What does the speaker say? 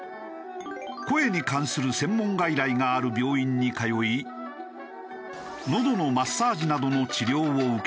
声に関する専門外来がある病院に通い喉のマッサージなどの治療を受けている。